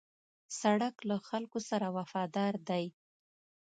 سړک له خلکو سره وفادار دی.